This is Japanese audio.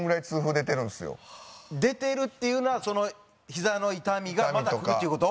出てるっていうのはひざの痛みがまたくるっていう事？